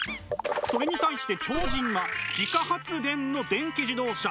それに対して超人は自家発電の電気自動車。